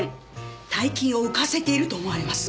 大金を浮かせていると思われます。